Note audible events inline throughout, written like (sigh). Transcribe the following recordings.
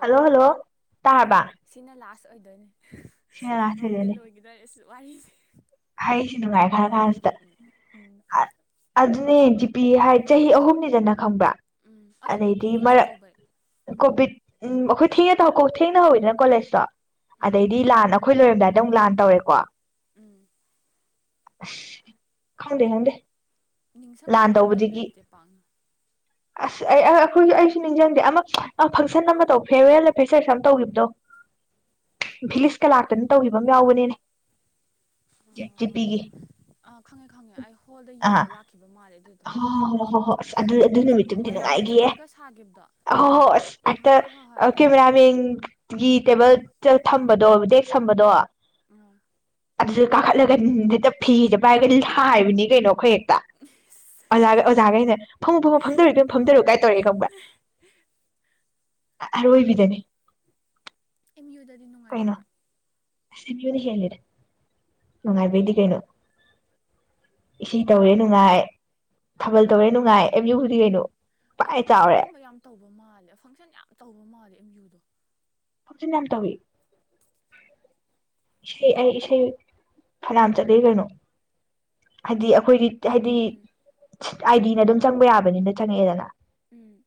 hello hello ꯇꯥꯕ ꯑꯣꯏꯗꯣꯏꯅꯤ ꯁꯤꯅꯥ ꯂꯥꯖ ꯑꯣꯏꯗꯣꯏꯅꯦ ꯁꯤ ꯋꯥꯔꯤꯁꯦ ꯍꯥꯏꯁꯤ ꯅꯨꯡꯉꯥꯏ ꯈꯔ ꯀꯥꯟꯁꯤꯗ ꯎꯝ ꯎꯝ ꯑꯗꯨꯅꯦ ꯖꯤ ꯄꯤ ꯍꯥꯏ ꯆꯍꯤ ꯑꯍꯨꯝꯅꯤꯗꯅ ꯈꯪꯕ꯭ꯔꯥ ꯎꯝ ꯑꯗꯣ ꯑꯩꯈꯣꯏ ꯑꯗꯩꯗꯤ ꯀꯣꯚꯤꯠꯁꯨ ꯃꯔꯛ ꯇꯧꯕꯩ ꯀꯣꯚꯤꯠ ꯎꯝ ꯑꯩꯈꯣꯏ ꯊꯦꯡꯉ ꯊꯦꯡꯅ ꯍꯧꯋꯤꯗꯅ ꯀꯣꯂꯦꯖꯇꯣ ꯎꯝ ꯎꯝ ꯑꯗꯩꯗꯤ ꯂꯥꯟꯅ ꯑꯩꯈꯣꯏ ꯂꯣꯏꯔꯝꯗꯥꯏ ꯑꯗꯨꯝ ꯂꯥꯟ ꯇꯧꯔꯦꯀꯣ ꯎꯝ ꯑꯁ ꯈꯪꯗ ꯈꯪꯗ ꯅꯤꯡꯁꯡꯕꯒ ꯑꯝꯇ ꯂꯩꯇꯦ ꯄꯥꯛꯅ ꯑꯁ ꯑꯩ ꯑꯩꯈꯣꯏꯁꯨ ꯑꯩꯁꯨ ꯅꯤꯡꯁꯤꯡꯗꯦ ꯑꯃꯛ ꯐꯪꯁꯟ ꯑꯃ ꯇꯧ ꯐꯦꯔꯋꯦꯜꯅ ꯐꯦꯁꯔꯁ ꯑꯃ ꯇꯧꯈꯤꯕꯗꯣ ꯚꯤꯂꯤꯁꯀ ꯂꯥꯛꯇꯅ ꯇꯧꯈꯤꯕ ꯑꯃ ꯌꯥꯎꯕꯅꯤꯅꯦ ꯖꯤꯄꯤꯒꯤ ꯑꯣ ꯑꯥ ꯈꯪꯉꯦ ꯈꯪꯉꯦ ꯑꯩ ꯍꯣꯜꯗ ꯌꯦꯡꯕ ꯂꯥꯛꯈꯤꯕ ꯃꯥꯜꯂꯦ ꯑꯗꯨꯗꯣ ꯍ ꯍꯣꯏ ꯍꯣꯏ ꯍꯣꯏ ꯍꯣꯏ ꯑꯁ ꯑꯗꯨ ꯑꯗꯨ ꯅꯨꯃꯤꯠꯇꯨꯗꯤ ꯃꯌꯥꯝꯅ ꯅꯨꯡꯉꯥꯏꯈꯤꯌꯦ ꯖꯒꯣꯏꯒ ꯁꯥꯈꯤꯕꯗꯣ ꯑ ꯍꯣ ꯍꯣꯏ ꯑꯁ ꯍꯦꯛꯇ ꯍꯣꯏ ꯍꯣꯏ ꯍꯣꯏ ꯀꯦꯃꯦꯔꯥꯃꯦꯟ ꯒꯤ ꯇꯦꯕꯜ ꯊꯝꯕꯗꯣ ꯗꯦꯛꯁ ꯊꯝꯕꯗꯣ ꯎꯝ ꯑꯗꯨꯗ ꯀꯥꯈꯠꯂꯒ ꯍꯦꯛꯇ ꯐꯤꯗ ꯄꯥꯏꯔꯒ ꯍꯥꯏꯕꯅꯤ ꯀꯩꯅꯣ ꯑꯩꯈꯣꯏ ꯍꯦꯛꯇ ꯎ ꯑꯣꯖꯥꯒ ꯑꯣꯖꯥꯒꯩꯅ ꯐꯪꯉꯨ ꯐꯣꯡꯉ ꯐꯝꯗꯔꯨꯏ ꯀꯣꯏ ꯐꯝꯗꯣꯔꯎ ꯀꯥꯏ ꯇꯧꯔꯦ ꯈꯪꯕ꯭ꯔꯥ ꯑꯔꯣꯏꯕꯤꯗꯅꯦ ꯑꯦꯝ ꯌꯨꯗꯗꯤ ꯅꯨꯡꯉꯥꯏꯇꯕ꯭ꯔꯥ ꯑꯁ ꯑꯃꯤꯎ ꯅꯥ ꯍꯦꯜꯂꯦꯗ ꯅꯨꯡꯉꯥꯏꯕꯩꯗꯤ ꯀꯩꯅꯣ ꯏ ꯇꯧꯔꯦ ꯅꯨꯡꯉꯥꯏ ꯊꯥꯕꯜ ꯇꯧꯔꯦ ꯅꯨꯡꯉꯥꯏ ꯑꯃꯤꯎ ꯗꯤ ꯀꯩꯅꯣ ꯑ ꯄꯥꯏ ꯆꯥꯎꯔꯦ ꯏꯁꯩꯒꯨꯝꯕ ꯌꯥꯝ ꯇꯧꯕ ꯃꯥꯜꯂꯦ ꯐꯪꯁꯟ ꯌꯥꯝ ꯇꯧꯕ ꯃꯥꯜꯂꯦ ꯑꯦꯝ ꯌꯨ ꯖꯦ ꯅꯝ ꯌꯥꯝ ꯇꯧꯋꯦ ꯏꯁꯩ ꯑꯩ ꯏꯁꯩ ꯐꯅꯥꯝ ꯆꯠꯂꯤ ꯀꯩꯅꯣ ꯍꯥꯏꯗꯤ ꯑꯩꯈꯣꯏꯗꯤ ꯍꯥꯏꯗꯤ ꯎꯝ ꯑꯥꯏꯗꯤꯅ ꯑꯗꯨꯝ ꯆꯪꯕ ꯌꯥꯕꯅꯤꯅ ꯆꯪꯉꯛꯑꯦꯗꯅ ꯎꯝ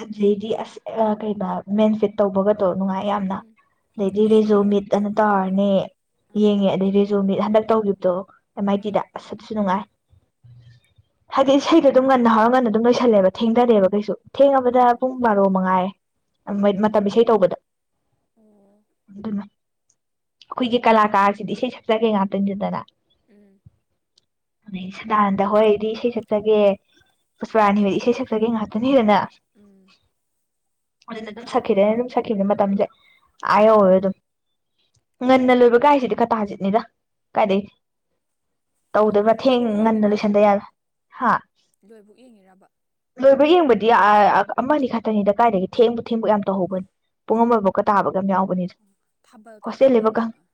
ꯑꯗꯨꯗꯩꯗꯤ ꯑꯁ ꯀꯩ ꯃꯦꯟ ꯐꯤꯠ ꯇꯧꯕꯒ ꯅꯨꯡꯉꯥꯏ ꯎꯝ ꯌꯥꯝꯅ ꯎꯝ ꯑꯗꯩꯗꯤ ꯑꯗꯨꯁꯨ ꯔꯤꯖꯨ ꯃꯤꯠ ꯌꯦꯡꯕ꯭ꯔꯥ ꯑꯅ ꯇꯧꯔꯅꯦ ꯑꯥ ꯌꯦꯡꯉꯦ ꯑꯗꯩ ꯔꯤꯖꯨ ꯃꯤꯠ ꯍꯟꯗꯛ ꯇꯒꯗꯣ ꯑꯦꯝ ꯑꯥꯏ ꯑꯥ ꯇꯤꯗ ꯑ ꯁꯠꯁꯨ ꯅꯨꯡꯉꯥꯏ ꯎꯝ ꯍꯥꯏꯗꯤ ꯏꯁꯩꯗꯣ ꯑꯗꯨꯝ ꯉꯟꯅ ꯍꯧꯔꯒ ꯉꯟꯅ ꯑꯗꯨꯝ ꯂꯣꯏꯁꯜꯂꯦꯕ ꯊꯦꯡꯅꯔꯦꯕ ꯀꯩꯁꯨ ꯊꯦꯡꯉꯕꯗ ꯑꯣ ꯄꯨꯡ ꯕꯥꯔꯣ ꯃꯉꯥꯏ ꯃꯣꯏ ꯃꯇꯝ ꯏꯁꯩ ꯇꯧꯕꯗ ꯑꯣ ꯑꯗꯨꯅ ꯑꯩꯈꯣꯏꯒꯤ ꯀꯂꯥꯀꯥꯔꯁꯤꯗꯤ ꯏꯁꯩ ꯁꯛꯆꯒꯦ ꯉꯥꯛꯇꯣꯏꯁꯤꯗꯅ ꯎꯝ ꯑꯩ ꯁꯗꯥꯅꯟꯗ ꯍꯣꯏꯗꯤ ꯏꯁꯩ ꯁꯛꯆꯒꯦ ꯄꯨꯆꯄꯔꯥꯅꯤ ꯍꯣꯏꯗꯤ ꯏꯁꯩ ꯁꯛꯆꯒꯦ ꯉꯥꯏꯍꯥꯛꯇꯪ ꯂꯩꯅ ꯎꯝ ꯑꯗꯨꯅ ꯑꯗꯨꯝ ꯁꯛꯈꯤꯗꯦ ꯑꯩꯅ ꯑꯗꯨꯝ ꯁꯛꯈꯤꯕꯗ ꯃꯇꯝꯁꯦ ꯑꯥ ꯌꯧꯔꯦ ꯑꯗꯨꯝ ꯉꯟꯅ ꯂꯣꯏꯕꯒꯥꯏꯁꯤꯗꯤ ꯈꯇꯥꯖꯤꯠꯅꯤꯗ ꯀꯥꯏꯗꯒꯤꯩ ꯇꯧꯗꯣꯏ ꯃꯊꯦꯡ ꯂꯣꯏꯕꯨꯛ ꯉꯟꯅ ꯌꯦꯡꯉꯤꯔꯕ ꯂꯣꯏꯁꯟꯗ ꯌꯥꯔꯣꯏ ꯍꯥ ꯂꯣꯏꯕꯨꯛ ꯌꯦꯡꯉꯤꯔꯕ ꯂꯣꯏꯕ ꯌꯦꯡꯕꯗꯤ ꯑꯃ ꯑ ꯈꯛꯇꯅꯤꯗ ꯀꯥꯏꯗꯒꯤ ꯊꯦꯡꯕ ꯊꯦꯡꯕ ꯌꯥꯝ ꯇꯧꯍꯧꯕꯅꯤ ꯄꯨꯡ ꯑꯃꯐꯥꯎꯀ ꯇꯥꯕ ꯌꯥꯎꯕꯅꯤꯗ ꯊꯥꯕꯜ ꯀꯩꯀꯥꯗꯤ ꯍꯣꯁꯇꯦꯜꯅꯦꯕꯀ ꯃꯌꯥꯝ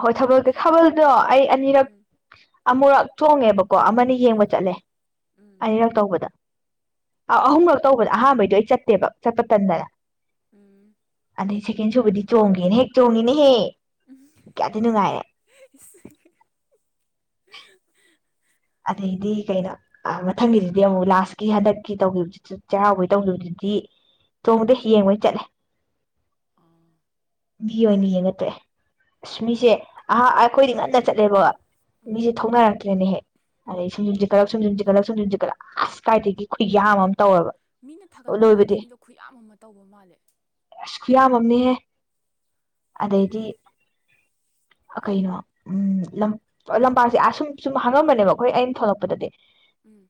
ꯍꯣꯏ ꯊꯥꯕꯜ ꯊꯥꯕꯜꯗꯣ ꯑꯩ ꯑꯅꯤꯔꯛ ꯎꯝ ꯑꯃꯨꯔꯛ ꯊꯣꯡꯉꯦꯕ ꯀꯣ ꯑꯃꯅ ꯌꯦꯡꯕ ꯎꯝ ꯆꯠꯂꯦ ꯎꯝ ꯑꯅꯤꯔꯛ ꯇꯧꯕꯗ ꯑꯥꯎ ꯑꯍꯨꯝꯈꯛ ꯇꯧꯕꯗ ꯑꯍꯥꯟꯕꯩꯗꯣ ꯑꯩ ꯆꯠꯇꯦꯕ ꯆꯠꯄ ꯇꯟꯗꯅ ꯎꯝ ꯑꯗꯩ ꯁꯦꯀꯦꯟ ꯁꯨꯕꯗꯤ ꯆꯣꯡꯒꯦꯅ ꯍꯦꯛ ꯆꯣꯡꯉꯤꯅꯦꯍꯦꯛ ꯀꯌꯥꯗ ꯅꯨꯉꯥꯏꯔꯦ ꯑꯗꯩꯗꯤ ꯀꯩꯅꯣ ꯃꯊꯪꯒꯤꯗꯨꯗꯤ ꯑꯃꯨꯛ ꯂꯥꯁꯀꯤ ꯍꯟꯗꯛꯀꯤ ꯇꯧꯈꯤꯕ ꯆꯩꯔꯥꯎꯕꯒꯤ ꯇꯧꯈꯤꯕꯗꯨꯗꯤ ꯆꯣꯡꯕꯗ ꯌꯦꯡꯕꯣꯏ ꯆꯠꯂꯦ ꯑ ꯃꯤ ꯑꯣꯏꯅ ꯌꯦꯡꯉ ꯇꯦ ꯑꯁ ꯃꯤꯁꯦꯍꯥꯛ ꯑꯩꯈꯣꯏꯗꯤ ꯉꯟꯅ ꯆꯠꯂꯦꯕ ꯎꯝ ꯃꯤꯁꯦ ꯊꯣꯛꯅꯔꯛꯇ꯭ꯔꯦꯅꯦꯍꯦꯛ ꯎꯝ ꯑꯗꯩ ꯁꯨꯝ (unintelligible) ꯁꯨꯝꯖꯨꯝꯟꯦꯒꯠꯂꯛ ꯁꯨꯝꯟꯖꯒꯠꯂ ꯀꯥꯏꯗꯒꯤ ꯈꯨ ꯌꯥꯝ ꯑꯃ ꯇꯧꯔꯕ ꯃꯤꯅ ꯊꯥꯒꯠꯂꯛꯄꯗ ꯍꯦꯛꯇ ꯂꯣꯏꯕꯗꯤ ꯃꯤꯗꯣ ꯈꯨꯌꯥꯝ ꯑꯃ ꯇꯧꯕ ꯃꯥꯜꯂꯦ ꯁꯨ ꯌꯥꯝꯃꯝꯅꯦꯍꯦ ꯑꯗꯩꯗꯤ ꯀꯩꯅꯣ ꯎꯝ ꯂꯝ ꯂꯝꯄꯥꯛꯁꯦ ꯑꯁꯨꯝ ꯁꯨꯝ ꯍ ꯈꯪꯉꯝꯕꯅꯦꯕ ꯑꯩꯈꯣꯏ ꯑꯩꯅ ꯊꯣꯛꯂꯛꯄꯗꯗꯤ ꯎꯝ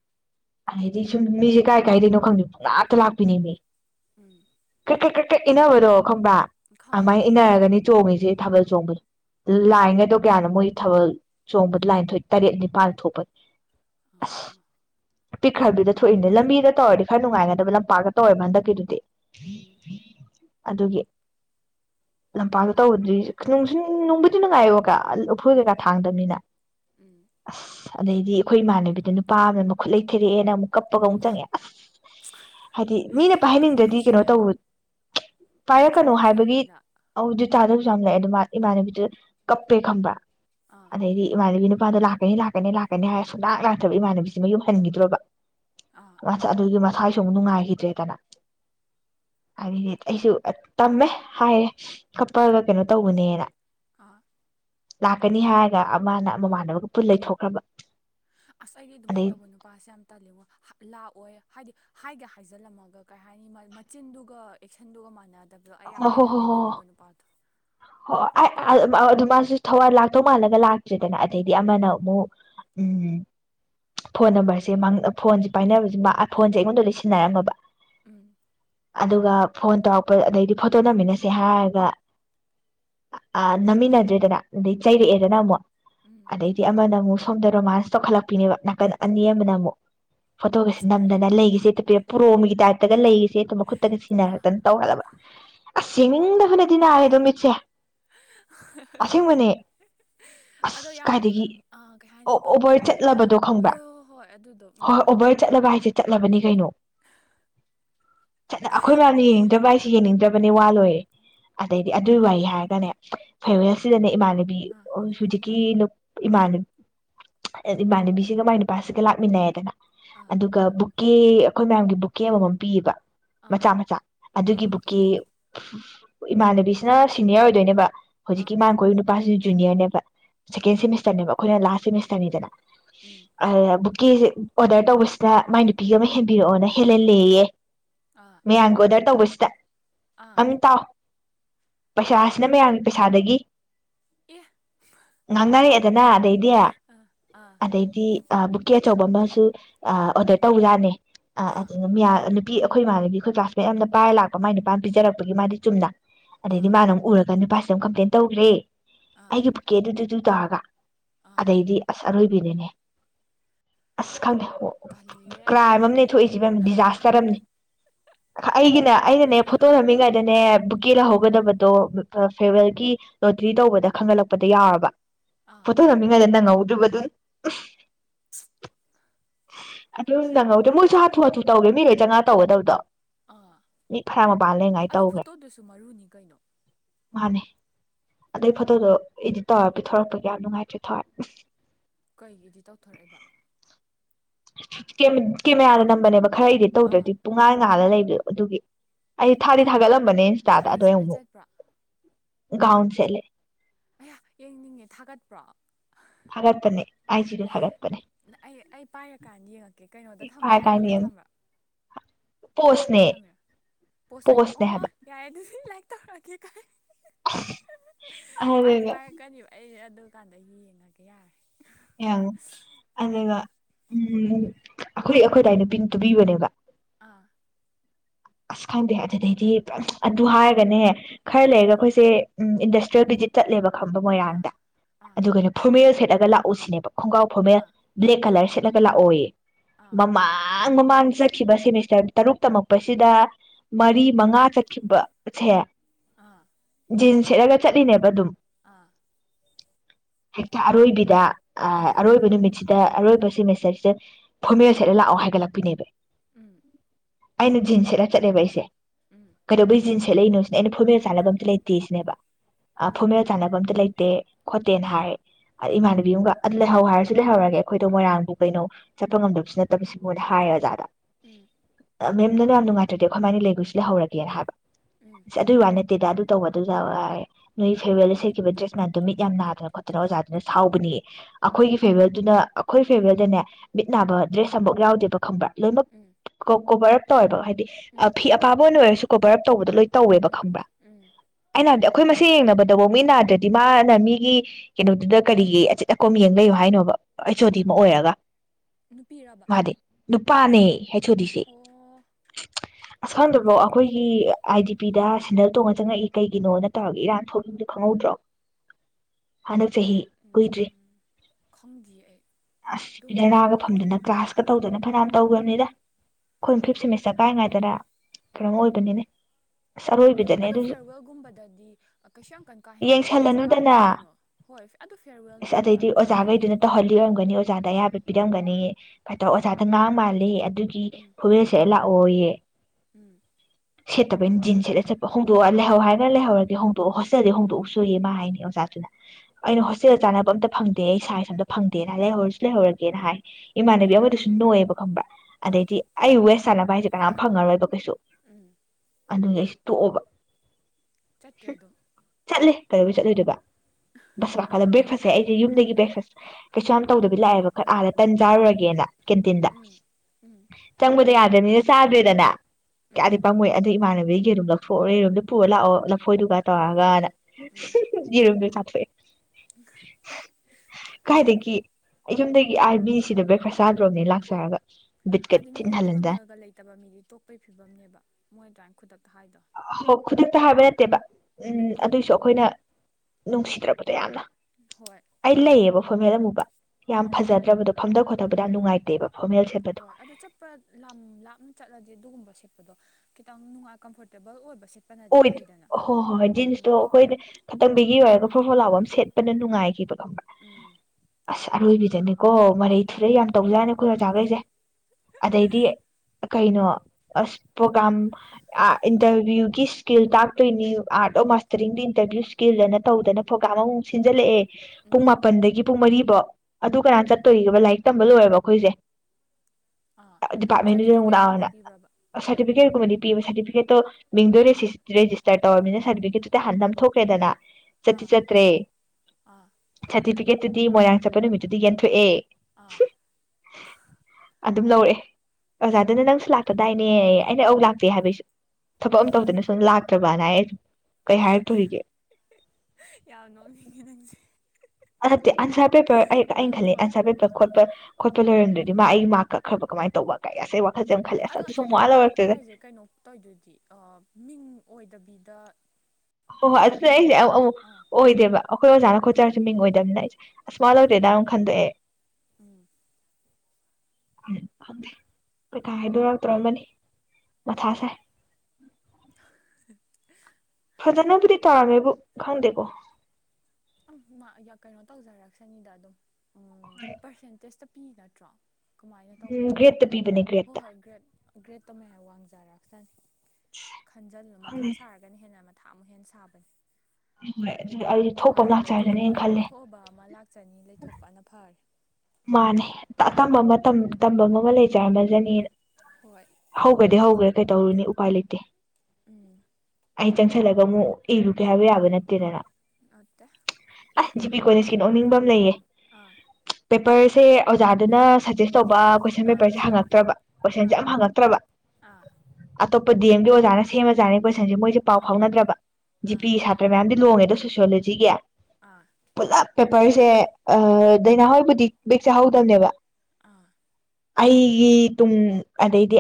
ꯑꯗꯤ ꯁ ꯃꯤꯁꯦ ꯀꯥꯏ ꯀꯥꯏꯗꯣꯏꯅꯣ ꯈꯪꯗꯦ ꯉꯥꯛꯇ ꯂꯥꯛꯄꯤꯅꯤꯅꯦ ꯎꯝ ꯀ ꯀ ꯀ ꯀ ꯏꯟꯅꯥꯕꯗꯣ ꯈꯪꯕ꯭ꯔꯥ ꯈꯪꯉꯦ ꯑꯗꯨꯃꯥꯏꯅ ꯈꯪꯉꯦ ꯏꯟꯅꯔꯒꯅꯤ ꯆꯣꯡꯉꯁꯦ ꯊꯥꯕꯜ ꯆ ꯂꯥꯏꯟꯒꯗꯣ ꯀꯌꯥꯅꯣ ꯃꯣꯏꯒꯤ ꯊꯥꯕꯜ ꯆꯣꯡꯕꯗ ꯂꯥꯏꯟ ꯊꯣꯛꯏ ꯇꯔꯦꯠꯅꯤ ꯄꯥꯜꯊꯣꯄ ꯑꯣ ꯄꯤꯛꯈ꯭ꯔꯕꯤꯗ ꯊꯣꯛꯏꯅꯦ ꯂꯝꯕꯤꯗ ꯇꯧꯔꯗꯤ ꯈꯔ ꯅꯨꯡꯉꯥꯏꯅꯗꯕ ꯂꯝꯄꯥꯛꯇ ꯇꯧꯔꯦ ꯍꯟꯗꯛꯀꯤꯗꯨꯗꯤ ꯎꯝ ꯐ ꯑꯗꯨꯒꯤ ꯂꯝꯄꯥꯛꯇꯣ ꯇꯧꯕꯗꯨꯗꯤ ꯁꯨ ꯅꯨꯡꯕꯨꯗꯤ ꯅꯨꯡꯉꯥꯏꯕꯀ ꯎꯈꯨ ꯎꯝ ꯀꯩꯀꯥ ꯊꯥꯡꯗꯕꯅꯤꯅ ꯎꯝ ꯑꯗꯩꯗꯤ ꯑꯩꯈꯣꯏ ꯏꯃꯥꯟꯅꯕꯤꯗ ꯅꯨꯄꯥ ꯑꯃꯅ ꯃꯈꯨꯠ ꯂꯩꯊꯔꯛꯑꯦꯅ ꯑꯃꯨꯛ ꯀꯄꯒ ꯑꯃꯨꯛ ꯃꯥ ꯆꯪꯉꯦ ꯑꯁ ꯍꯥꯏꯗꯤ ꯃꯤꯅ ꯄꯥꯏꯍꯟꯅꯤꯡꯗꯗꯤ ꯀꯩꯅꯣ ꯇꯧꯕ ꯖꯨꯠ ꯄꯥꯏꯔꯛꯀꯅꯣ ꯆꯥꯗꯕꯁꯨ ꯌꯥꯝ ꯍꯥꯏꯕꯒꯤ ꯂꯩꯅ ꯇꯥꯗ ꯌꯥꯝ ꯂꯩ ꯑꯗꯨ ꯃꯥ ꯏꯃꯥꯟꯅꯕꯤꯗꯨ ꯀꯞꯄꯦ ꯈꯪꯕ꯭ꯔꯥ ꯑꯥ ꯑꯗꯩꯗꯤ ꯃꯥꯕꯤꯅ ꯄꯗ ꯂꯥꯛ ꯀꯀꯅꯤ ꯂꯥꯛꯀꯅꯤ ꯂꯥꯛꯀꯅꯤ ꯍꯥꯏꯔ ꯁꯨꯛꯅꯥꯥꯛ ꯂꯥꯛꯊꯕ ꯏꯃꯥꯟꯅꯁꯤꯃ ꯌꯨꯝ ꯍꯟꯈꯤꯗ꯭ꯔꯣꯕ ꯑꯥ ꯃꯆꯥ ꯑꯗꯨ ꯑꯗꯨꯒꯤ ꯃ ꯁꯁꯋꯥꯥꯏꯁꯨ ꯑꯃꯨꯛ ꯅꯨꯡꯉꯥꯏꯈꯤꯗ꯭ꯔꯦꯗꯅ ꯍꯥꯏꯗꯤ ꯑꯩꯁꯨ ꯇꯝꯃꯦ ꯍꯥꯏꯔꯦ ꯀꯞꯄꯒ ꯀꯩꯅꯣ ꯇꯧꯕꯅꯦꯅ ꯑ ꯂꯥꯛꯀꯅꯤ ꯍꯥꯏꯔꯒ ꯑꯃꯅ ꯑꯃꯃꯥꯟꯅꯕꯒ ꯄꯨꯟ ꯂꯩꯊꯣꯛꯈ꯭ꯔꯕ ꯑꯁ ꯑꯩꯗꯤ ꯑꯗꯨꯃꯥꯏꯅ ꯑꯗꯩ ꯇꯧꯕ ꯅꯨꯄꯥꯁꯦ ꯌꯥꯝ ꯇꯂꯦꯉꯣ ꯂꯥꯛꯑꯣꯏ ꯍꯥꯏꯗꯤ ꯍꯥꯏꯒꯦ ꯍꯥꯏꯖꯤꯜꯂꯝꯃꯒ ꯀꯩ ꯍꯥꯏꯅꯤ ꯃꯆꯤꯟꯗꯨꯒ ꯑꯦꯛꯁꯟꯗꯨꯒ ꯃꯥꯟꯅ ꯗꯕꯗꯣ ꯑꯩ ꯌꯥꯝ ꯍꯣ ꯍꯣ ꯍꯣ ꯍꯩꯅꯗꯦ ꯍꯣ ꯑꯗꯨꯒꯨꯝꯕ ꯅꯨꯄꯥꯗꯣ ꯍꯣꯏ ꯑꯗꯨ ꯃꯥꯁꯨ ꯊꯋꯥꯟ ꯂꯥꯛꯇꯧ ꯃꯥꯜꯂꯒ ꯂꯥꯛꯇ꯭ꯦꯅꯦ ꯅ ꯑꯗꯩꯗꯤ ꯎꯝ ꯑꯃꯅ ꯑꯃꯨꯛ ꯎꯝ ꯐꯣꯟ ꯅꯝꯕꯔꯁꯦ ꯐꯣꯟꯁꯦ ꯄꯥꯏꯅꯕꯁꯦ ꯐꯣꯟꯁꯦ ꯑꯩꯉꯣꯟꯗ ꯂꯩꯁꯤꯟꯅꯔꯝꯃꯕ ꯎꯝ ꯑꯗꯨꯒ ꯐꯣꯟ ꯇꯧꯔꯛꯄ ꯑꯗꯩꯗꯤ ꯐꯣꯇꯣ ꯅꯝꯃꯤꯟꯅꯁꯦ ꯍꯥꯏꯔꯒ ꯅꯝꯃꯤꯟꯅꯗ꯭ꯔꯦꯗꯅ ꯑꯗꯩ ꯎꯝ ꯆꯩꯔꯛꯑꯦꯗꯅ ꯑꯃꯨꯛ ꯎꯝ ꯑꯗꯩꯗꯤ ꯑꯃꯅ ꯑꯃꯨꯛ ꯁꯣꯝꯗ ꯔꯣꯃꯥꯟꯁ ꯇꯧꯈꯠꯂꯛꯄꯤꯅꯦꯕ ꯅꯥꯀꯟ ꯑꯅꯤ ꯑꯃꯅ ꯑꯃꯨꯛ ꯐꯣꯇꯣꯒꯁꯦ ꯅꯝꯗꯅ ꯂꯩꯒꯤꯁꯦ ꯄꯔ ꯄꯨ꯭ꯔꯣꯝꯒꯤ ꯇꯥꯏꯞꯇꯒ ꯂꯩꯔꯤꯁꯦ ꯑꯗꯨ ꯛꯇꯒ ꯏꯃꯥ ꯁꯤꯅꯔꯛꯇꯅ ꯇꯧꯍꯜꯂꯕ ꯑꯁ ꯌꯦꯡꯅꯤꯡꯗꯕꯅꯗꯤ ꯅꯥꯔꯦꯗꯣ ꯃꯤꯠꯁꯦ ꯑꯁꯦꯡꯕꯅꯦ ꯑꯁ ꯑꯗꯣ ꯌꯥꯝ ꯀꯥꯏꯗꯒꯤ ꯀꯩ ꯍꯥꯏꯅꯤ ꯑꯣꯕꯔ ꯄꯕ꯭ꯂꯤꯛꯇ ꯊꯣꯛꯑꯒ ꯆꯠꯂꯕꯗꯣ ꯈꯪꯕ꯭ꯔ ꯍꯣꯏ ꯍꯣꯏ ꯍꯣꯏ ꯑꯗꯨꯗꯣ ꯎꯝ ꯍꯣꯏꯣꯏ ꯑꯣꯕꯔ ꯆꯠꯂꯕ ꯍꯥꯏꯁꯦ ꯎꯝ ꯆꯠꯂꯕꯅꯤ ꯀꯩꯅꯣ ꯑꯩꯈꯣꯏ ꯂꯥꯟꯅ ꯌꯦꯡꯗꯕꯏꯁ ꯁꯤ ꯌꯦꯡꯅꯤꯡꯗ꯭ꯔꯕꯅꯤ ꯋꯥ ꯂꯣꯏꯌꯦꯦ ꯑꯗꯩꯗꯤ ꯑꯗꯨꯒꯤ ꯋꯥꯏ ꯍꯥꯏꯔꯒꯅꯦ ꯑꯥ ꯐꯩꯔꯦ ꯁꯤꯗꯅꯦ ꯏꯃꯥꯟꯅꯕꯤ ꯑꯥ ꯍꯧꯖꯤꯛꯀꯤ ꯏꯃꯥꯟ ꯏꯃꯥꯟꯅꯕꯤꯁꯤꯒ ꯃꯥꯏ ꯅꯨꯄꯥꯁꯤꯒ ꯂꯥꯛꯃꯤꯟꯅꯩꯗꯅ ꯑꯥ ꯑꯗꯨꯒ ꯕꯨꯛꯀꯤꯦ ꯑꯩꯈꯣꯏ ꯃꯌꯥꯝꯒꯤ ꯕꯨꯛꯀꯦ ꯑꯃꯃꯝ ꯄꯤꯌꯦꯕ ꯑꯥ ꯃꯆꯥ ꯃꯆꯥ ꯑꯥ ꯑꯗꯨꯒꯤꯕꯨ ꯏꯃꯥꯟꯅꯕꯤꯁꯤꯅ ꯁꯤꯅꯤꯌꯔ ꯑꯣꯏꯗꯣꯏꯅꯦꯕ ꯍꯧꯖꯤꯛꯀꯤ ꯑꯥ ꯃꯥꯥꯡ ꯑꯣꯏꯣꯏ ꯏꯅ ꯄꯥꯁ ꯨꯅꯤꯔꯅꯦ ꯁꯦꯀꯦꯟ ꯑꯣ ꯁꯦꯃꯤꯁꯇꯔꯅꯦꯕ ꯑꯩꯈꯣꯏꯅ ꯂꯥꯁ ꯎꯝ ꯎꯝ ꯁꯦꯃꯤꯁꯇꯔꯅꯤꯗꯅ ꯎꯝ ꯑꯗꯨ ꯀꯦꯁꯦ ꯑꯣꯔꯗꯔ ꯇꯧꯕꯁꯤꯗ ꯃꯥꯏ ꯅꯨꯄꯤꯒ ꯑꯃ ꯍꯦꯟꯕꯤꯔꯛꯑꯣꯅ ꯍꯦꯜꯍꯜꯂꯦꯌꯦ ꯑꯥ ꯃꯌꯥꯝꯡꯒꯣꯗ ꯇꯧꯕꯁꯤ ꯑꯥ ꯑꯇ ꯑꯥ ꯄꯩꯁꯥꯁꯤꯅ ꯃꯌꯥꯝ ꯄꯩꯁꯥꯗꯒꯤ ꯑꯦ ꯉꯥꯡꯅꯔꯛꯑꯦꯗꯅ ꯑꯗꯩꯗꯤ ꯑꯥ ꯑꯥ ꯑꯗꯩꯗꯤ ꯕꯨꯛꯀꯤ ꯑꯆꯧꯕ ꯑꯃꯁꯨ ꯑꯣꯗꯔ ꯇꯧꯕꯖꯅꯤ ꯑ ꯑꯥ ꯑꯗꯨ ꯌꯥ ꯄꯄꯤ ꯑꯩꯈ ꯏꯃꯥꯟꯅꯕꯤꯈꯣꯏ ꯀ꯭ꯂꯥꯁꯃꯦꯠ ꯌꯥꯝꯅ ꯄꯥꯏꯔ ꯂꯥꯛꯄ ꯃꯥꯏ ꯅꯨꯄꯥꯅ ꯄꯤꯖꯔꯛꯄꯒꯤ ꯃꯥꯗꯤ ꯆꯨꯝꯅ ꯑꯗꯩꯗꯤ ꯑꯥ ꯃꯥꯅ ꯑꯃꯨꯛ ꯎꯔꯒ ꯅꯨꯄꯥꯁꯤꯨꯝ ꯀꯝꯄ꯭ꯂꯦꯟ ꯇꯧꯈ꯭ꯔꯦ ꯑꯥ ꯑꯩꯒꯤ ꯄꯨ ꯀꯦꯗꯗꯗꯨ ꯏꯗꯒ ꯑꯥ ꯑꯗꯩ ꯏꯗꯤ ꯑꯁ ꯑꯔꯣꯏꯕꯤꯗꯨꯅꯦ ꯑꯁ ꯈꯪꯗꯦ ꯇꯜꯂꯤꯍꯦ ꯀ꯭ꯔꯥꯏꯝ ꯑꯗꯨꯗꯤ ꯑꯅꯦ ꯊꯣꯛꯏꯁꯤꯕ ꯗꯤꯖꯥꯁꯇꯔ ꯑ ꯑꯩꯒꯤꯅ ꯑꯩꯅꯅꯦ ꯐꯣꯇꯣ ꯂꯝꯃꯤꯉꯥꯏꯗꯅꯦ ꯕꯨꯛꯀꯤ ꯎꯝ ꯂꯧꯍꯧꯒꯗꯕꯗꯣ ꯐꯦꯕꯔꯒꯤ ꯂꯣꯇ꯭ꯔꯤ ꯇꯧꯕꯗ ꯈꯪꯒꯠꯂꯛꯄꯗ ꯌꯥꯎꯔꯕ ꯑꯥ ꯄꯨꯊꯝ ꯃꯤꯟꯅꯉ ꯑꯗꯨ ꯅꯪꯍꯧꯗꯦ ꯃꯣꯏꯁꯨ ꯍꯥꯊꯨ ꯍꯥꯊꯨ ꯇꯧꯒꯦ ꯃꯤꯈꯣꯏ ꯆꯥꯃꯉꯥ ꯇꯧꯒꯗꯕꯗꯣ ꯑ ꯃꯤ ꯈꯔ ꯃꯄꯥꯟ ꯂꯩꯉꯥꯏ ꯇꯧꯈ꯭ꯔꯦ ꯃꯔꯨꯅꯤ ꯀꯩꯅꯣ ꯃꯥꯅꯦ ꯑꯩ ꯐꯣꯇꯣꯗꯣ ꯏꯗꯤꯠ ꯇꯧꯔꯒ ꯄꯤꯊꯣꯔꯛꯄꯒꯤ ꯌꯥꯝ ꯅꯨꯡꯉꯥꯏꯇ꯭ꯔꯦ ꯊꯣꯏ ꯀꯩꯒꯤꯗꯤ ꯇꯧꯊꯣꯔꯛꯏꯕ ꯀ ꯑꯔꯅꯝꯕꯅꯦꯕ ꯈꯔꯗꯤ ꯑꯥ ꯇꯧꯗ꯭ꯔꯗꯤ ꯄꯨꯡꯉꯥꯟ ꯉꯥꯜꯂ ꯂꯩꯕ ꯑꯗꯨꯒꯤ ꯑꯩ ꯊꯥꯗꯤ ꯊꯥꯒꯠꯂꯝ ꯃꯅꯦ ꯁ ꯁꯥꯔꯤ ꯁꯦꯠꯂ ꯇꯔꯠꯗꯛ ꯆꯠꯄ꯭ꯔꯣ ꯥꯎꯟꯁꯦꯂꯦ ꯑꯩ ꯌꯦꯡꯅꯤꯡꯉꯦ ꯊꯥꯒꯠꯄ꯭ꯔꯣ ꯊꯥꯒꯠꯄꯅꯦ ꯑꯥꯏꯖꯤꯗ ꯊꯥꯒꯠꯄꯅꯦ ꯑꯩ ꯑꯩ ꯄꯥꯏꯔꯀꯥꯟꯗ ꯌꯦꯡꯉꯛꯀꯦ ꯀꯩꯅꯣꯗ ꯊꯝꯕ꯭ꯔꯣ ꯐꯥꯏ ꯀꯥꯏꯅ ꯍꯥꯏꯂꯥꯏꯠꯇ ꯌꯦꯡꯉꯨ ꯊꯝꯕ꯭ꯔꯥ ꯍꯥꯏ ꯂꯥꯏꯠꯇ ꯄꯣꯁꯅꯦ ꯊꯝꯃꯦꯔ ꯄꯣꯁ ꯑꯣꯏꯅ ꯄꯣꯁꯅꯦ ꯑꯣ ꯍꯥꯏꯕ ꯌꯥꯔ ꯑꯗꯨꯗꯤ ꯂꯥꯏꯛ ꯇꯧꯔꯛꯑꯒꯦ ꯄꯥꯏꯗꯤ ꯑꯗꯨꯒ ꯄꯥꯏꯔꯛꯀꯅꯦꯕ ꯑꯩ ꯑꯗꯨ ꯀꯥꯟꯗ ꯌꯦꯡꯉꯒꯦ ꯌꯥꯔꯦ ꯑꯦ ꯑꯗꯨꯒ ꯎꯝ ꯑꯩꯈꯣꯏ ꯑꯩꯈꯣꯏꯗꯥꯏ ꯅꯨꯄꯤꯅ ꯇꯨꯕꯤꯕꯅꯦꯕ ꯑꯥ ꯑꯁ ꯈꯪꯗꯦ ꯑꯗꯨꯗꯩꯗꯤ ꯑꯗꯨ ꯍꯥꯏꯔꯒꯅꯦ ꯈꯔ ꯑꯥ ꯂꯩꯔꯒ ꯑꯩꯈꯣꯏꯁꯦ ꯎꯝꯟꯗꯁꯇ꯭ꯔꯤꯜ ꯕꯤꯖꯤꯠꯦꯕ ꯈꯝꯕ ꯑꯥ ꯃꯣꯏꯔꯥꯡꯗ ꯑꯥ ꯑꯗꯨꯒꯩꯅꯣ ꯐꯨꯃꯦꯜ ꯁꯦꯠ ꯠꯂꯒ ꯂꯥꯛꯎꯁꯤꯅꯦꯕ ꯈꯣꯡꯒ꯭ꯔꯥꯎ ꯐꯃꯦ ꯑꯥ ꯕ꯭ꯂꯦꯛ ꯑꯥ ꯀꯂꯔ ꯁꯦꯠꯂꯒ ꯂꯥꯛꯑꯣ ꯑꯥ ꯃꯃꯥ ꯑꯥꯡ ꯃꯃꯥꯡ ꯆꯠꯈꯤꯕ ꯁꯦꯃꯤꯁꯇꯔ ꯇꯔꯨꯛ ꯇꯝꯃꯛꯄꯁꯤꯦ ꯁꯤꯗ ꯃꯔꯤ ꯃꯉꯥ ꯆꯠꯈꯤꯕꯁꯦ ꯑꯥ ꯖꯤꯟꯁ ꯁꯦꯠꯂꯒ ꯆꯠꯂꯤꯅꯦꯕ ꯑꯗꯨꯝ ꯑꯥ ꯍꯦꯛꯇ ꯑꯔꯣꯏꯕꯤꯗ ꯑ ꯎꯝ ꯑꯔꯣꯏꯕꯅꯦ ꯃꯦꯆꯤꯟ ꯗꯗ ꯑꯔꯣꯏꯕ ꯁꯤꯦꯃꯤꯁꯇꯔꯁꯤꯗ ꯐꯣꯔꯃꯦ ꯁꯥꯏꯗ ꯂꯥꯛꯑꯣ ꯍꯥꯏꯒꯠꯂꯛꯄꯤꯅꯦꯕ ꯎꯝ ꯑꯩꯅ ꯖꯤ ꯁꯤꯗꯞ ꯆꯠꯦꯕ ꯑꯩꯁꯦ ꯎꯝ ꯀꯩꯅꯣꯕ ꯆꯁꯤ ꯁꯦꯠꯂꯏꯩꯅꯣ ꯁꯤꯅꯦ ꯑꯩꯅ ꯐꯣꯏꯕꯦꯜ ꯆꯥꯟꯅꯕ ꯑꯝꯇ ꯂꯩꯇꯦ ꯁꯤꯅꯦꯕ ꯑ ꯎꯝ ꯐꯨꯃꯦꯔ ꯆꯥꯟꯅꯕ ꯑꯝꯇ ꯂꯩꯇ ꯠꯇꯦ ꯈꯣꯇꯦꯟꯅ ꯍꯥꯏꯔꯦ ꯑꯗ ꯏꯃꯥꯟꯅꯕꯤ ꯑꯃꯒ ꯂꯩꯍꯧ ꯍꯥꯏꯔꯁꯨ ꯂꯩꯍꯧꯔꯒꯦ ꯑꯩꯈꯣꯏꯗꯣ ꯃꯣꯏꯔꯥꯡꯗꯨ ꯀꯩꯅꯣ ꯆꯠꯄ ꯉꯝꯗꯕꯁꯨ ꯅꯠꯇꯕ ꯁꯤ ꯃꯣꯏꯗ ꯍꯥꯏꯔꯦ ꯑꯣꯖꯥꯗ ꯅ ꯎꯝ ꯑ ꯌꯥꯝ ꯅꯨꯡꯉꯥꯏꯇ꯭ꯔꯗꯤ ꯑꯩꯈꯣꯏ ꯃꯥꯥꯏꯅ ꯂꯩꯈꯣꯏꯁꯨ ꯂꯩꯍꯧꯔꯒꯦꯅ ꯍꯥꯏꯕ ꯎꯝ ꯑꯁ ꯑꯗꯨꯒꯤ ꯋꯥ ꯅꯠꯇꯦꯗ ꯑꯗꯨ ꯇꯧꯕ ꯑꯗꯨꯗ ꯅꯣꯏꯒꯤ ꯐꯦꯔꯋꯦꯜꯗ ꯁꯦꯠꯈꯤꯕ ꯗ꯭ꯔꯦꯁ ꯃꯌꯥꯝꯗꯣ ꯃꯤꯠ ꯌꯥꯝ ꯅꯥꯗꯅ ꯈꯣꯠꯇꯅ ꯑꯣꯖꯥꯗꯨꯅ ꯁꯥꯎꯕꯅꯤꯌꯦ ꯑꯩꯈꯣꯏꯒꯤ ꯎꯝ ꯐꯦꯚꯔꯗꯨꯅ ꯑꯩꯈꯣꯏ ꯐꯦꯃꯤꯦꯜꯗꯅꯦ ꯃꯤꯠ ꯅꯥꯕ ꯗ꯭ꯔꯦꯁ ꯑꯃꯐꯥꯎ ꯌꯥꯎꯗꯦꯕ ꯈꯪꯕ꯭ꯔꯥ ꯂꯣꯏꯅꯃꯛ ꯎꯝ ꯀꯣꯕꯔ ꯇ ꯑꯣꯏ ꯑꯦ ꯎꯝ ꯐꯤ ꯑꯄꯥꯝꯕ ꯑꯣꯏꯅ ꯑꯣꯏꯔꯥꯁꯨ ꯀ‌ꯣꯕꯔ ꯇꯧꯕꯥꯗꯨ ꯂ‌ꯣꯏꯟ ꯎꯝ ꯇꯧꯑꯦꯕ ꯎꯝ ꯈꯪꯕ‍꯭ꯔꯥ ꯎꯝ ꯑꯩꯅꯥ ꯍꯥꯏꯗꯤ ꯑꯩꯈ‌ꯪꯏ ꯃꯁ‌ꯦꯟ ꯌ‌ꯦꯡꯅꯕꯗꯤ ꯑꯗꯨꯕꯨ ꯃꯤꯠ ꯅꯥꯗ꯭ꯔꯗꯤ ꯃꯥꯅ ꯃꯤꯒꯤ ꯀꯩꯅꯣꯗꯨꯗ ꯀꯔꯤꯒꯤ ꯑꯆꯤꯠ ꯑꯀꯣꯝ ꯌꯦꯡ ꯂꯩꯌꯨ ꯍꯥꯏꯅꯣꯕ ꯑꯩꯆ ꯑꯣꯗꯤ ꯑꯃ ꯑꯣꯏꯔꯒ ꯅꯨꯄꯤꯔꯕ ꯃꯥꯗꯤ ꯅꯨꯄꯥꯅꯤ ꯑꯩꯆ ꯑꯣ ꯗꯤ ꯁꯤ ꯑꯣ ꯑꯁ ꯈꯪꯗꯕ꯭ꯔꯣ ꯑꯩꯈꯣꯏꯒꯤ ꯑꯥꯏ ꯗꯤ ꯄꯤꯗ ꯁ‌ꯦꯅꯗꯜ ꯇꯣꯡꯉ ꯆꯪꯉꯛꯏ ꯀꯩꯒꯤꯅꯣꯅ ꯇꯧꯔꯒ ꯏꯔꯥꯟ ꯊꯣꯛꯈꯤꯕꯗꯨꯣ ꯈꯪꯍꯧꯗ꯭ꯔꯣ ꯍꯟꯗꯛ ꯆꯍꯤ ꯎꯝ ꯀꯨꯏꯗ꯭ꯔꯤ ꯈꯪꯗꯤꯌꯦ ꯑꯩ ꯑꯁ ꯑꯗꯨꯝꯗꯤ ꯗ꯭ꯔꯅꯥꯒ ꯈꯪꯍꯧꯗ꯭ꯔꯦ ꯐꯝꯗꯅ ꯀ꯭ꯂꯥꯁꯀ ꯇꯧꯗꯅ ꯐꯅꯌꯥꯝ ꯇꯧꯒ꯭ꯔꯝꯅꯤꯗ ꯑꯩꯈꯣꯏ ꯐꯤꯞ ꯑꯣ ꯁ‌ꯦꯃꯤꯁꯇꯔ ꯀꯥꯏ ꯉꯥꯏꯗꯅ ꯀꯩꯅꯣꯝ ꯎꯝ ꯑꯣꯏꯕꯅꯤꯅꯦ ꯑꯁ ꯑꯔꯣꯏꯕꯤꯗꯅꯦ ꯑꯗꯣ ꯑꯗꯨꯁꯨ ꯐꯤꯌꯔꯋꯦꯜꯒꯨꯝꯕꯗꯗꯤ ꯀꯩꯁꯨ ꯌꯥꯝ ꯀꯟꯅ ꯀꯥ ꯍꯦꯟꯕ ꯅꯠꯇꯦ ꯀꯩꯁꯨ ꯌꯦꯡꯁꯜꯂꯅꯨꯗꯅ ꯀꯥꯏꯗꯦ ꯀꯩꯅꯣ ꯍꯣꯏ ꯑꯗꯨ ꯐꯤꯌꯔꯋꯦꯜꯅꯦ ꯑꯁ ꯍꯥꯏꯕ ꯑꯗꯩꯗꯤ ꯑꯣꯖꯥꯒꯩꯗꯨꯅ ꯇꯧꯍꯜꯂꯤ ꯑꯣꯏꯔꯝꯒꯅꯤ ꯑꯣꯖꯥꯗ ꯑꯌꯥꯕ ꯄꯤꯔꯝꯒꯅꯤ ꯐꯇꯣ ꯑꯣꯖꯥꯗ ꯉꯥꯡ ꯃꯥꯜꯂꯤ ꯑꯗꯨꯒꯤ ꯎꯝ ꯆꯂ ꯂꯥꯛꯑꯣꯌ‌ꯦ ꯎꯝ ꯁꯦꯠꯇꯕꯩꯟ ꯖꯤꯟ ꯁꯦꯠꯂ ꯆꯠꯄ ꯍꯣꯡꯗꯣꯛꯑ ꯂꯩꯍꯧ ꯍꯥꯏꯔꯅ ꯂꯩꯍꯧꯔꯒ ꯍꯣꯡ ꯍꯣꯁꯇꯦꯜꯗꯩ ꯎꯝ ꯍꯣꯡꯗ‌ꯣꯛꯎꯆ‌ꯣꯌ‌ꯦ ꯃꯥꯟ ꯍꯥꯏꯅꯤ ꯑꯣꯖꯥ ꯑꯩꯅ ꯍꯣꯁꯇꯦꯜ ꯆꯥꯟꯅꯕ ꯑꯝꯇ ꯐꯪꯗꯦ ꯑꯩ ꯁꯥꯏꯟꯖ ꯑꯝꯇ ꯐꯪꯗꯦꯅ ꯍꯥꯏ ꯂꯩꯍꯧꯔꯁꯨ ꯂꯩꯍꯧꯔꯒꯦꯅ ꯍꯥꯏ ꯑꯥ ꯏꯃꯥꯟꯅꯕꯤ ꯑꯃꯗꯨꯁꯨ ꯅꯣꯏꯌꯦꯕ ꯈꯪꯕ ꯑꯥ ꯑꯗꯩꯗꯤ ꯁꯥꯟꯅꯕ ꯍꯥꯏꯁꯦ ꯀꯅꯥꯝ ꯐꯪꯉꯔꯣꯏꯕ ꯀꯩꯁꯨ ꯎꯝ ꯑꯗꯨꯒꯤ ꯇꯣꯛꯑꯕ ꯆꯠꯇ꯭ꯔꯦ ꯑꯗꯨꯝ ꯆꯠꯂꯦ ꯀꯥꯏ ꯆꯠꯂꯣꯏꯗꯕ (inaudible) ꯕ‌ꯦꯛ ꯐꯖꯥ ꯑꯩꯁꯦ ꯌꯨꯝꯗꯒꯤ ꯕꯔ‌ꯦꯛꯐꯥꯁ ꯀꯩꯁꯨ ꯌꯥꯝ ꯇꯧꯗꯕꯤ ꯑꯥ ꯂꯥꯛꯑꯦꯕ ꯑꯥꯗ ꯇꯟ ꯑꯥ ꯆꯥꯔꯨꯔꯒꯦꯅ ꯀꯦꯟꯇꯤꯟꯗ ꯎꯝ ꯎꯝ ꯆꯪꯕꯗꯨ ꯌꯥꯗꯕꯅꯤꯅ ꯆꯥꯗ꯭ꯔꯣꯏꯗꯅ ꯎꯝ ꯀꯌꯥꯗꯤ ꯄꯥꯃꯨꯏ ꯑꯗꯨ ꯏꯃꯥꯟꯅꯕꯤ ꯑꯗꯩꯗꯤ ꯑꯗꯨꯝ ꯂꯧꯊ‌ꯪꯛꯑꯦ ꯌꯨꯝꯗ ꯄꯨꯔ ꯂꯥꯛꯑꯣ ꯂꯐꯣꯏꯗꯨꯒ ꯎꯝ ꯇꯧꯔꯒꯅ ꯎꯝ ꯌꯦꯔꯨꯝꯗꯨ (inaudible) ꯀꯥꯏꯗꯒꯤ ꯑꯩ ꯌꯨꯝꯗꯒꯤ ꯑꯥꯥꯏꯕꯤꯁꯤꯗ ꯕ꯭ꯔꯦꯛꯐꯥꯁ ꯆꯥꯗ꯭ꯔꯣꯝꯅꯦꯅ ꯂꯥꯛꯆꯔꯒ ꯕꯤꯠꯀ ꯑꯗꯨ ꯃꯤ ꯊꯤꯟ ꯍꯜꯂꯟꯗꯅ ꯐꯣꯔꯃꯦꯜꯒ ꯂꯩꯇꯕ ꯃꯤꯗꯤ ꯇꯣꯛꯄꯒꯤ ꯐꯤꯕꯝꯅꯦꯕ ꯃꯣꯏ ꯑꯗꯨꯃꯥꯏꯅ ꯈꯨꯗꯛꯇ ꯍꯥꯏꯗꯣ ꯍ ꯈ ꯍꯥꯏꯕ ꯅꯠꯇꯦꯕ ꯎꯝ ꯑꯗꯨꯏꯁꯨ ꯑꯩꯈꯣꯏꯅ ꯅꯨꯡꯁꯤꯗ꯭ꯔꯛꯄꯗꯣ ꯌꯥꯝꯅ ꯍꯣꯏ ꯑꯂꯌꯦꯕꯣ ꯐ ꯃꯦꯂ ꯃꯛ ꯌꯥꯝ ꯎꯝ ꯐꯖꯗ꯭ꯔꯕꯗꯣ ꯐꯝꯗ ꯈꯣ ꯇꯕꯗ ꯅꯨꯡꯉꯥꯏꯇꯦꯕ ꯐꯣꯔꯃꯦꯜ ꯁꯦꯠꯄꯗꯣ ꯍꯣꯏ ꯑꯗꯨ ꯆꯠꯄ ꯂꯝ ꯂꯥꯞꯅ ꯆꯠꯂꯗꯤ ꯑꯗꯨꯒꯨꯝꯕꯁꯦ ꯗꯣ ꯈꯤꯇꯪ ꯅꯨꯡꯉꯥꯏ ꯀꯝꯐꯣꯔꯇꯦꯕꯜ ꯑꯣꯏꯕ ꯁꯦꯠꯄꯅꯗꯤ ꯑꯣꯏ ꯐꯩꯗꯅ ꯍꯣꯏ ꯍꯣꯏ ꯖꯤꯟꯁꯇꯣ ꯎꯝ ꯑꯩꯈꯣꯏꯗꯤ ꯈꯇꯪꯕꯤꯒꯤ ꯑꯣꯏ ꯈꯣꯔ ꯍꯣꯂꯥꯎꯕ ꯑꯃ ꯁꯦꯠꯅ ꯅꯨꯡꯉꯥꯏꯈꯤꯕ ꯈꯪꯕ꯭ꯔꯥ ꯎꯝ ꯑꯁ ꯑꯔꯣꯏꯕꯤꯗꯅꯤꯀꯣ ꯃꯔꯩ ꯊꯨꯔ ꯌꯥꯝ ꯇꯧꯖꯥꯠꯅꯤ ꯑꯩꯈꯣꯏ ꯑꯣꯖꯥꯈꯩꯁꯦ ꯑꯗꯩꯗꯤ ꯀꯩꯅꯣ ꯑꯁ ꯄ꯭ꯔꯣꯒꯥ꯭ꯔꯥꯝ ꯏꯟꯇꯔꯚꯤꯌꯨꯒꯤ ꯁꯀꯤꯜ ꯎꯝ ꯇꯥꯛꯇꯣꯏꯅꯤ ꯑꯥꯇꯣ ꯃꯁ ꯟꯇꯔꯚ ꯎꯝ ꯁꯀꯤꯦꯜꯅ ꯇꯧꯗꯅ ꯎꯝ ꯄ꯭ꯔ꯭ꯔꯝ ꯁꯤꯖꯂꯦꯑꯦ ꯄꯨꯡ ꯎꯝ ꯃꯥꯄꯟꯗꯒꯤ ꯄꯨꯡ ꯃꯔꯤ ꯄꯥ (inaudible) ꯑꯗꯨ ꯀꯅꯥ ꯎꯝ ꯆꯠꯇꯣꯔꯤꯒꯕ ꯂꯥꯏꯛ ꯇꯝꯕ ꯂꯣꯏꯔꯦꯕ ꯑꯩꯈꯣꯏꯁꯦ ꯑꯥ ꯗꯤꯄꯥꯔꯦꯟ ꯁꯥꯔꯇꯤꯐꯤꯀꯦꯠꯀꯨꯝꯕ ꯄꯤꯕ꯭ꯔꯕ ꯁꯔꯤꯐꯦꯠ ꯄ ꯁꯔꯇꯤꯐꯤꯀꯠꯠꯇꯣ ꯃꯤꯦꯡꯗ ꯁꯤ ꯔꯦꯖꯤꯁꯇꯔ ꯇꯧꯔꯕꯅꯤꯅ ꯁꯥꯔꯇꯤꯐꯤꯀꯦꯠꯇꯨꯗꯤ ꯍꯥꯟ ꯅꯝ ꯊꯣꯛꯣꯛ꯭ꯔꯦꯗꯅ ꯆꯇꯤ ꯑꯥ ꯆꯠꯇ꯭ꯔꯦ ꯑꯥ ꯆꯇ ꯄꯤ ꯀꯦꯠꯇꯨꯗꯤ ꯃꯣꯏꯔꯥꯡ ꯆꯠꯄ ꯅꯨꯃꯤꯠꯇꯨꯗꯤ ꯌꯦꯟꯊꯣꯛꯑꯦ ꯑ ꯑꯗꯨꯝ ꯂꯧꯔꯛꯑꯦ ꯑꯣꯖꯥꯗꯨꯅ ꯅꯪꯁꯨ ꯂꯥꯛꯇꯗꯥꯏꯅꯦ ꯑꯩꯅ ꯑꯧ ꯂꯥꯛꯇꯦ ꯍꯥꯏꯕꯩꯁꯨ ꯊꯕꯛ ꯑꯃ ꯇꯧꯗꯅꯁꯨ ꯂꯥꯛꯀꯕꯅꯥꯏ ꯌꯥꯝ ꯅꯅꯨꯡꯅꯤꯡꯉꯦ ꯅꯪꯁꯦ ꯞꯤ ꯑꯁꯥꯔ ꯄꯦꯄꯔ ꯑꯩ ꯑꯩꯅ ꯈꯜꯂꯤꯦ ꯍꯣꯏ ꯑꯟꯁꯔ ꯄꯦꯄꯔ ꯈꯣꯠꯄ ꯈꯣꯠꯄ ꯂꯩꯔꯝꯗ꯭ꯔꯗꯤ ꯃꯥ ꯑꯩ ꯃꯥꯔꯛ ꯀꯛꯈ꯭ꯔꯕ ꯀꯃꯥꯏꯅ ꯇꯧꯕꯁ ꯑꯗꯣ ꯑꯟꯁꯔ ꯄꯦꯄꯔ ꯈꯣꯠꯄ ꯍꯥꯏꯔꯤꯁꯦ ꯀꯩꯅꯣ ꯇꯧꯗꯣꯏꯗꯤ ꯃꯤꯡ ꯑꯣꯏꯗꯕꯤ ꯗ ꯍꯣꯏ ꯍꯣꯏ ꯑꯗꯨꯅ ꯑꯩꯁꯦ ꯑꯃꯨꯛ ꯑꯣꯏꯗꯦꯕ ꯑꯩꯈꯣꯏ ꯑꯣꯖꯥꯅ ꯎꯝ ꯈꯣꯠꯆꯔꯁꯨꯦ ꯃꯤꯡ ꯑꯣꯏꯗꯅꯤꯅ ꯑꯩꯁꯦ ꯑꯁꯨꯃꯥꯏꯅ ꯑꯥ ꯇꯧꯗꯦꯅ ꯑꯃꯨꯛ ꯈꯟꯗꯣꯛꯑꯦ ꯎꯝ ꯄꯩꯀꯥ ꯍꯥꯏꯗꯔꯛꯇ꯭ꯔꯝꯃꯅꯤ ꯃꯊꯥꯁꯦ ꯍꯤ ꯍꯥ (inaudible) ꯐꯖꯅꯕꯨꯗꯤ ꯇꯥꯔꯝꯃꯦꯕꯨ ꯈꯪꯗꯦꯕꯣ ꯑꯝ ꯃꯥ ꯀꯩꯅꯣ ꯇꯧꯖꯔꯛꯆꯥꯅꯤꯗ ꯑꯗꯨꯝ ꯎꯝ ꯍꯣꯏ ꯄꯁꯁ ꯄꯤ ꯅꯠꯇ꯭ꯔꯣ ꯀꯃꯥꯏꯅ ꯎꯝ ꯇꯧꯒꯦ ꯒ꯭ꯔꯦꯠꯇ ꯄꯤꯕꯅꯦ ꯍꯣꯏ ꯒ꯭ꯔꯦꯠꯇ ꯍꯣꯏ ꯒ꯭ꯔꯦꯠ ꯒ꯭ꯔꯦꯗ ꯇꯧ ꯃꯌꯥꯝ ꯋꯥꯡꯖꯔꯛꯁꯅꯤ ꯈꯟꯖꯤꯜꯂꯨ ꯃꯊꯥ ꯈꯪꯗꯦ ꯁꯥꯔꯒꯅ ꯍꯦꯟꯅ ꯊꯥꯃꯨ ꯍꯦꯟ ꯁꯥꯕꯅꯤ ꯎꯣꯏ ꯅꯨꯡꯉꯥꯏꯅ ꯂꯩꯊꯣꯛꯄ ꯊꯣꯛꯑꯕ ꯑꯃ ꯂꯥꯛꯆꯅꯤ ꯂꯩꯊꯣꯛꯄꯅ ꯐꯔꯦ ꯃꯥꯅꯦ ꯑꯇꯝꯕ ꯑꯃ ꯇꯝꯕ ꯑꯃ ꯑꯃ ꯂꯩꯖꯔꯝꯃꯖꯅꯦꯅ ꯍꯣꯏ ꯍꯒꯗꯤ ꯍꯧꯈ꯭ꯔꯦ ꯀꯩ ꯇꯧꯔꯨꯅꯤ ꯎꯄꯥꯏ ꯂꯩꯇꯦ ꯎꯝ ꯑꯩ ꯆꯪꯁꯜꯂꯒ ꯑꯃꯨꯛ ꯏꯔꯨꯒꯦ ꯍꯥꯏꯕ ꯌꯥꯕ ꯅꯠꯇꯦꯗꯅ ꯅꯠꯇꯦ ꯑꯁ ꯖꯤ ꯄꯄꯤ ꯀꯣꯂꯦꯖꯀꯤꯅ ꯑꯣꯅꯤꯡꯕ ꯑꯃ ꯂꯩꯌꯦ ꯑꯥ ꯄꯦꯄꯔꯁꯦ ꯑꯣꯖꯥꯗꯅ ꯁꯖꯦꯁ ꯑꯆꯧꯕ ꯀꯣꯏꯁꯟ ꯑꯥ ꯄꯦꯄꯔꯁꯦ ꯍꯪꯉꯛꯇ꯭ꯔꯕ ꯀꯣꯏꯁꯟꯁꯦ ꯑꯥ ꯑꯃ ꯍꯪꯉꯛꯇ꯭ꯔꯕ ꯑꯥ ꯑꯇꯣꯞꯄ ꯗꯤꯦꯝꯒꯤ ꯑꯣꯖꯥꯅ ꯁꯦꯝꯃꯖꯥꯠꯅꯦ ꯣꯏꯁꯟꯁꯦ ꯃꯣꯏꯁꯦ ꯄꯥꯎ ꯑꯥ ꯐꯥꯎꯅꯗ꯭ꯔꯕ ꯖꯤ ꯑꯥ ꯄꯄꯤꯒꯤ ꯁꯥꯇ꯭ꯔ ꯃꯌꯥꯝꯗꯤ ꯂꯣꯡꯉꯦ ꯁꯨꯁꯣꯂꯖꯤꯒꯦ ꯑꯥ ꯄꯦꯄꯔꯁꯦ ꯑ ꯗꯅꯥ ꯍꯣꯏ ꯦꯛꯁ ꯍ ꯍꯧꯗꯅꯦꯕ ꯑꯥ ꯑꯩꯒꯤ ꯇꯨꯡ ꯑꯗꯩꯗꯤ